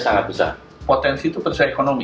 sangat besar potensi itu terserah ekonomi